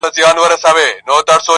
ستا د ږغ څــپــه ، څـپه ،څپــه نـه ده.